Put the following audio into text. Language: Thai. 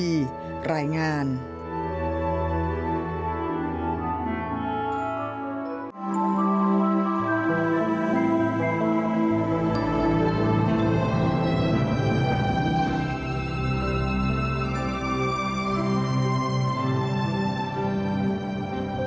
ก็ต้องหล่อสุขราวรัชมงคลที่จะเป็นแก่พนักงานที่สุข